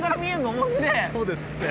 そうですね。